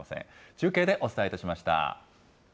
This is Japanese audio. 中継でお伝えしました。